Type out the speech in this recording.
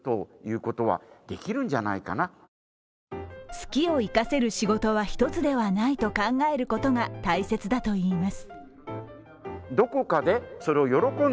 好きを生かせる仕事は１つではないと考えることが大切だといいます。